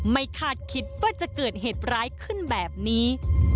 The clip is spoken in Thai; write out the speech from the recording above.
คาดคิดว่าจะเกิดเหตุร้ายขึ้นแบบนี้